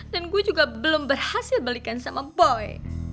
dan gue juga belum berhasil balikan sama boy